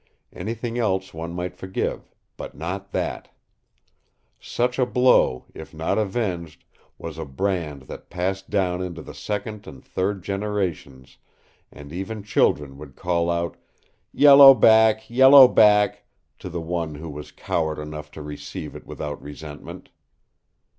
Anything else one might forgive, but not that. Such a blow, if not avenged, was a brand that passed down into the second and third generations, and even children would call out "Yellow Back Yellow Back," to the one who was coward enough to receive it without resentment.